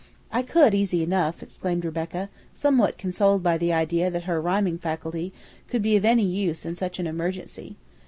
"I could, easy enough," exclaimed Rebecca, somewhat consoled by the idea that her rhyming faculty could be of any use in such an emergency.